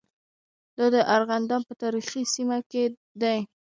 دا د ارغنداب په تاریخي سیمه کې دي.